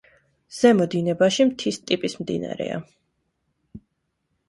ზემო დინებაში მთის ტიპის მდინარეა.